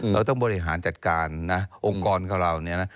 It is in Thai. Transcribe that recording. เราต้องบริหารจัดการนะองค์กรของเราเนี่ยนะ